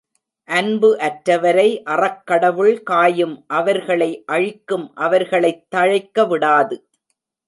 அன்பு அற்றவரை அறக்கடவுள் காயும் அவர்களை அழிக்கும் அவர்களைத் தழைக்கவிடாது.